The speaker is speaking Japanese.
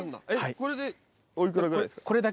これでお幾らぐらいですか？